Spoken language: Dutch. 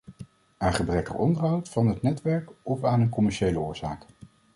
Aan gebrekkig onderhoud van het netwerk of aan een commerciële oorzaak?